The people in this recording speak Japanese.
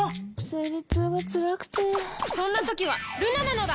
生理痛がつらくてそんな時はルナなのだ！